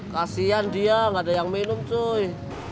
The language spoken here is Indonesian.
kasian dia nggak ada yang minum cuy